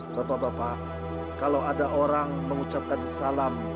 bapak bapak kalau ada orang mengucapkan salam